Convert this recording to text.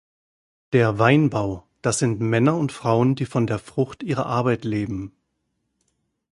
Der Weinbau, das sind Männer und Frauen, die von der Frucht ihrer Arbeit leben.